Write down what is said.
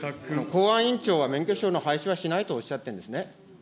公安委員長は、免許証の廃止はしないとおっしゃってますね。